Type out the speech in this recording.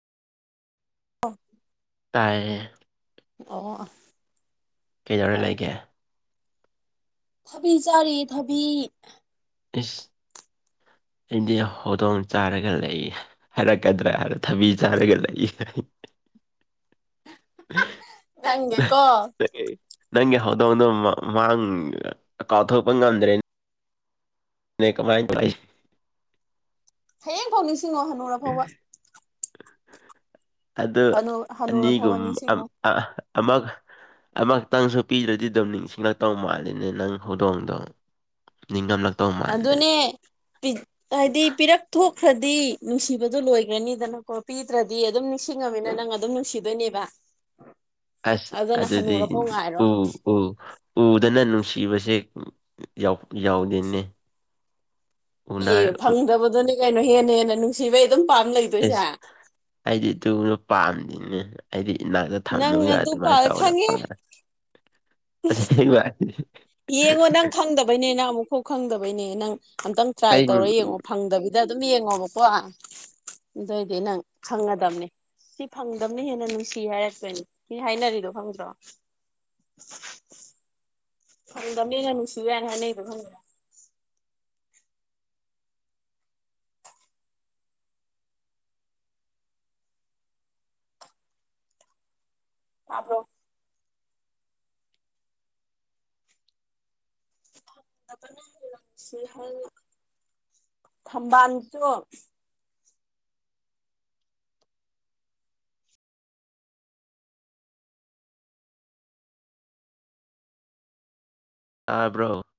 [inaudible] ꯇꯥꯏꯌꯦ꯫ ꯑꯣ꯫ ꯀꯩꯗꯧꯔ ꯐꯔꯦ ꯂꯩꯒꯦ꯫ ꯊꯕꯤ ꯆꯥꯔꯤꯌꯦ ꯊꯕꯤ꯫ ꯏꯁꯁ ꯑꯩꯗꯤ ꯍꯧꯗꯣꯡ ꯆꯥꯔꯒ ꯂꯩꯌꯦ꯫ ꯍꯥꯏꯔꯛꯀꯗ꯭ꯔꯥ ꯍꯥꯏꯔ ꯊꯕꯤ ꯆꯥꯔꯒ ꯂꯩꯌꯦ꯫ ꯅꯪꯒꯦꯀꯣ [inaudible] ꯅꯪꯒꯤ ꯍꯧꯗꯣꯡꯗ ꯃꯥꯡ ꯀꯥꯎꯊꯣꯛꯄ ꯉꯝꯗ꯭ꯔꯦꯅ ꯅ ꯀꯃꯥꯏꯅ [unintelligible] ꯍꯌꯦꯡ ꯐꯥꯎ ꯅꯤꯡꯁꯤꯡꯉꯣ ꯍꯅꯨꯔꯐꯥꯎꯕ ꯑꯗꯨ ꯍꯅꯨ ꯍꯅꯨꯔ ꯐꯥꯎꯕ ꯑꯅꯤꯒꯨꯝ ꯅꯤꯡꯁꯤꯡꯉꯣ ꯑꯃꯒ ꯑꯃꯨꯛꯇꯪꯁꯨ ꯄꯤꯗ꯭ꯔꯗꯤ ꯑꯗꯨꯝ ꯅꯤꯡꯁꯤꯡꯂꯛꯇꯧ ꯃꯥꯜꯂꯤꯅꯦ ꯅꯪ ꯍꯧꯗꯣꯡꯗꯣ ꯅꯤꯡꯗꯥꯝꯂ ꯑꯗꯨ ꯑꯗꯨꯅꯦꯤ ꯍꯥꯏꯗꯤ ꯄꯤꯔꯛ ꯊꯣꯛꯈ꯭ꯔꯗꯤ ꯅꯨꯡꯁꯤꯕꯗꯨꯣ ꯂꯣꯏꯈ꯭ꯔꯅꯤꯗꯅꯀꯣ ꯄꯤꯗ꯭ꯔꯗꯤ ꯑꯗꯨꯝ ꯅꯤꯡꯁꯤꯡꯉꯃꯤꯅ ꯅꯪ ꯑꯗꯨꯝ ꯅꯨꯡꯁꯤꯗꯣꯏꯅꯦꯕ ꯑꯁ ꯑꯗꯨꯅ ꯑꯗꯨꯗꯤ ꯍꯅꯨꯔꯐꯥꯎ ꯉꯥꯏꯔꯣ ꯎ ꯎ ꯎꯗꯅ ꯅꯨꯡꯁꯤꯕꯁꯦ ꯌꯥꯎꯗꯦꯅꯦ ꯑꯦ ꯎꯅꯔ ꯐꯪꯗꯕꯗꯨꯅꯤ ꯀꯩꯅꯣ ꯍꯦꯟꯅ ꯍꯦꯟꯅ ꯅꯨꯡꯁꯤꯕꯩ ꯑꯗꯨꯝ ꯄꯥꯝ ꯂꯩ ꯑꯦꯁ ꯑꯩꯗꯤ ꯇꯨꯅ ꯄꯥꯝꯗꯤꯅꯦ ꯑꯩꯗꯤ ꯏꯅꯥꯛꯇ ꯅꯪ ꯊꯝꯃꯒ ꯑꯗꯨ ꯄꯥ ꯑꯗꯨꯃꯥꯏꯅ ꯇꯧꯕꯅ ꯈꯪꯉꯦ ꯐꯔꯦ ꯁ ꯌꯦꯡꯉꯣ ꯅꯪ ꯈꯪꯗꯕꯩꯅꯦ ꯅꯪ ꯑꯃꯨꯛꯈꯐꯥꯎ ꯈꯪꯗꯕꯩꯅꯦ ꯅꯪ ꯑꯝꯇꯪ ꯇ꯭ꯔꯥꯏ ꯑꯩ ꯇꯧꯔ ꯌꯦꯡꯉꯣ ꯐꯪꯗꯕꯤ ꯁꯤꯗ ꯑꯗꯨꯝ ꯌꯦꯡꯉꯣꯕꯀꯣ ꯑꯗꯨꯑꯣꯏꯗꯤ ꯅꯪ ꯈꯪꯒꯗꯕꯅꯤ ꯁꯤ ꯐꯪꯗꯝꯕꯅ ꯍꯦꯟꯅ ꯅꯨꯡꯁꯤ ꯍꯥꯏꯔꯛꯇꯄꯣꯏꯅꯤ ꯁꯤ ꯍꯥꯏꯅꯔꯤꯗꯣ ꯈꯪꯗ꯭ꯔꯣ [inaudible] ꯐꯪꯗꯝꯅꯤꯅꯥ ꯅꯨꯡꯁꯤ ꯌꯦꯅ ꯍꯥꯏꯅꯩꯗꯨ ꯈꯪꯗ꯭ꯔꯣ ꯇꯥꯕ꯭ꯔꯣ ꯅꯕꯅꯤ ꯅꯨꯡꯁꯤ ꯍꯥꯏꯌꯦ ꯊꯝꯕꯥꯜꯗꯣ ꯇꯥꯕ꯭ꯔꯣ